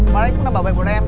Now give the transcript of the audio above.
bạn ấy cũng là bảo vệ bọn em